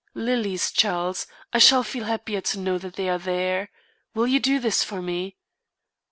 Lilies, Charles. I shall feel happier to know that they are there. Will you do this for me?"